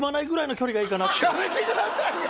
やめてくださいよ！